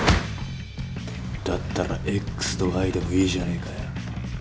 だったらＸとＹでもいいじゃねえかよ。